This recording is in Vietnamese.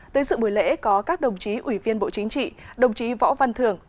tới sự buổi lễ có các đồng chí ủy viên bộ chính trị đồng chí võ văn thưởng